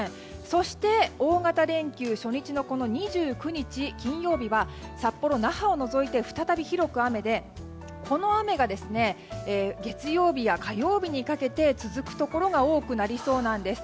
そして大型連休初日の２９日、金曜日は札幌、那覇を除いて再び広く雨でこの雨が、月曜日や火曜日にかけて続くところが多くなりそうなんです。